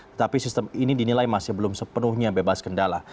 tetapi sistem ini dinilai masih belum sepenuhnya bebas kendala